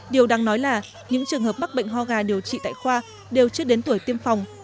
điều đáng nói là những trường hợp mắc bệnh ho gà điều trị tại khoa đều chưa đến tuổi tiêm phòng